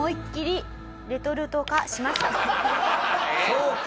そうか。